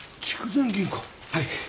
はい。